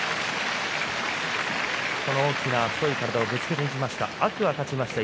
大きな太い体をぶつけていきました。